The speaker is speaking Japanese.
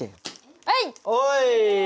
はい！